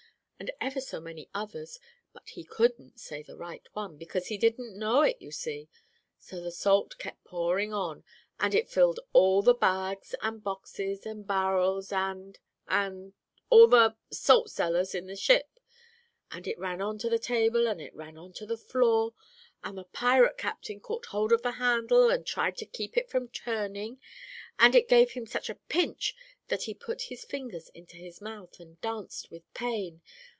and ever so many others; but he couldn't say the right one, because he didn't know it, you see! So the salt kept pouring on, and it filled all the bags, and boxes, and barrels, and and all the salt cellars, in the ship, and it ran on to the table, and it ran on to the floor; and the pirate captain caught hold of the handle and tried to keep it from turning; and it gave him such a pinch that he put his fingers into his mouth, and danced with pain.